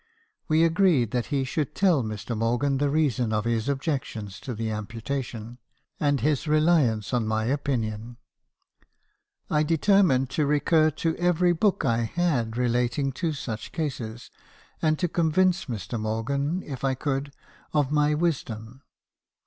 "We agreed that he should tell Mr. Morgan the reason of his objections to the amputation, and his reliance on my opinion. I determined to recur to every book I had relating to such cases, and to convince Mr. Morgan , if I could, of my wis dom.